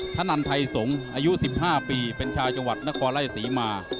ธนันไทยสงศ์อายุ๑๕ปีเป็นชายกวัดนครไร้สีมา